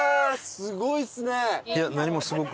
すごいですね。